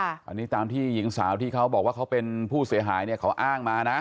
อันนี้ตามที่หญิงสาวที่เขาบอกว่าเขาเป็นผู้เสียหายเนี่ยเขาอ้างมานะ